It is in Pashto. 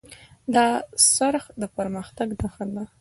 دا څرخ د پرمختګ نښه ده.